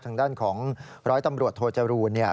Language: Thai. ทางด้านของร้อยตำรวจโทจรูลเนี่ย